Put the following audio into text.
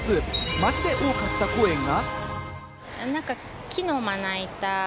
街で多かった声が。